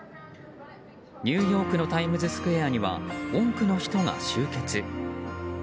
ニューヨークのタイムズスクエアには多くの人が集結。